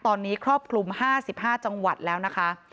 ตอนนี้ครอบคลุม๕๕จังหวัดแล้วนะคะ